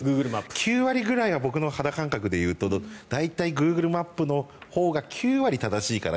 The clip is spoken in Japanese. ９割ぐらいが僕の肌感覚で言うと大体グーグルマップのほうが９割正しいかな。